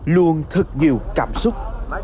luôn thật nhiều cảm xúc